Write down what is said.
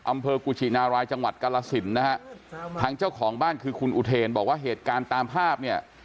อำเภอกุชินารายจังหวัดกรสินนะฮะทางเจ้าของบ้านคือคุณอุเทนบอกว่าเหตุการณ์ตามภาพเนี่ย